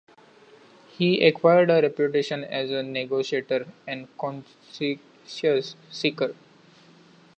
He acquired a reputation as a negotiator and consensus seeker.